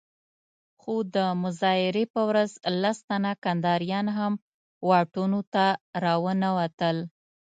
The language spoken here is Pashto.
خو د مظاهرې په ورځ لس تنه کنداريان هم واټونو ته راونه وتل.